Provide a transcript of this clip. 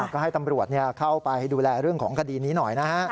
ก็ให้ตำรวจเข้าไปดูแลเรื่องของคดีนี้หน่อยนะฮะ